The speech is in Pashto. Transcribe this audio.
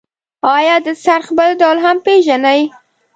آیا د څرخ بل ډول هم پیژنئ؟